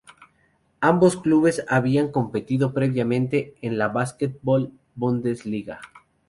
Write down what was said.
Ambos clubes habían competido previamente en la Basketball Bundesliga.